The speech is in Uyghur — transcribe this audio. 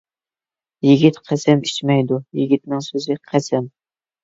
يىگىت قەسەم ئىچمەيدۇ، يىگىتنىڭ سۆزى قەسەم.